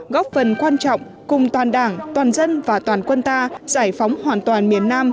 góp phần quan trọng cùng toàn đảng toàn dân và toàn quân ta giải phóng hoàn toàn miền nam